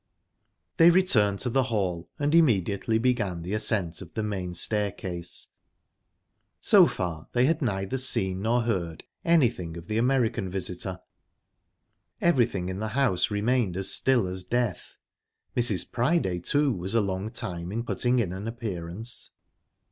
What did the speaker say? They returned to the hall, and immediately began the ascent of the main staircase. So far they had neither seen nor heard anything of the American visitor; everything in the house remained as still as death. Mrs. Priday, too, was a long time in putting in an appearance...